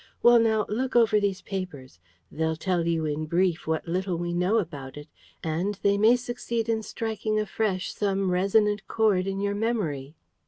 Well, now, look over these papers. They'll tell you in brief what little we know about it. And they may succeed in striking afresh some resonant chord in your memory."